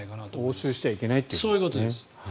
応酬しちゃいけないということですね。